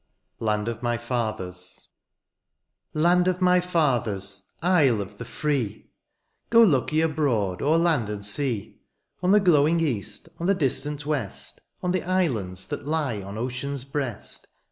LAND OF MY FATHERS. Land of my fathers, isle of the free ! Go look ye abroad o^er land and sea. On the glowing east, on the distant west. On the islands that lie on ocean^s breast.